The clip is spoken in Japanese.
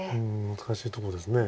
難しいとこです。